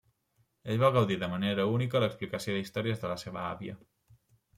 Ell va gaudir manera única l'explicació d'històries de la seva àvia.